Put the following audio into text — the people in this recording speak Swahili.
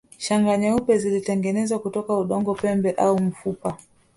Shanga nyeupe zilitengenezwa kutoka udongo pembe au mfupa